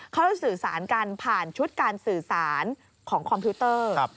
เขาจะสื่อสารกันผ่านชุดการสื่อสารของคอมพิวเตอร์